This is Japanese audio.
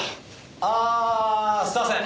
あすいません。